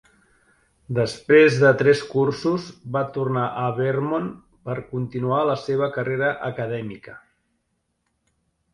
Després de tres cursos, va tornar a Vermont per continuar la seva carrera acadèmica.